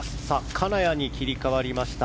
金谷に切り替わりました。